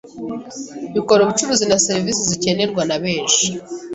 bikora ubucuruzi na serivisi zikenerwa na benshi,